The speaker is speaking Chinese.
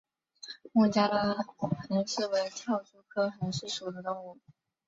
孟加拉蝇狮为跳蛛科蝇狮属的动物。